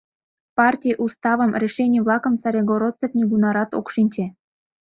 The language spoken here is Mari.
Партий уставым, решений-влакым Царегородцев нигунарат ок шинче.